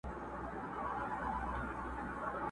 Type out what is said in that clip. ژر سه ووهه زموږ خان ته ملاقونه!!